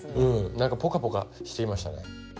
なんかポカポカしてきましたね。